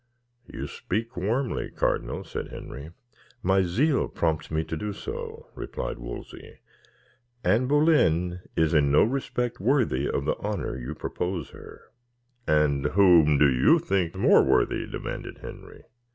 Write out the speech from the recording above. "You speak warmly, cardinal," said Henry. "My zeal prompts me to do so," replied Wolsey. "Anne Boleyn is in no respect worthy of the honour you propose her." "And whom do you think more worthy?" demanded Henry.